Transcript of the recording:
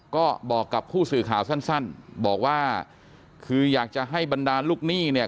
ก็บอกกับผู้สื่อข่าวสั้นบอกว่าคืออยากจะให้บรรดาลูกหนี้เนี่ย